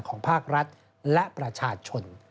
ภาครัฐและประชาชน